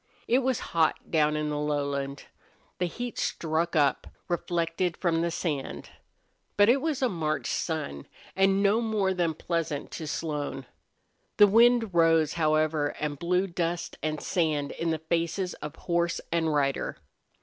It was hot down in the lowland. The heat struck up, reflected from the sand. But it was a March sun, and no more than pleasant to Slone. The wind rose, however, and blew dust and sand in the faces of horse and rider.